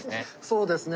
そうですね。